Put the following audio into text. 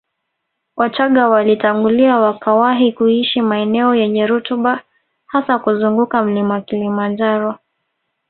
Wachaga walitangulia wakawahi kuishi maeneo yenye rutuba hasa kuzunguka mlima Kilimanjaro